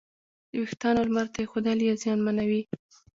د وېښتیانو لمر ته ایښودل یې زیانمنوي.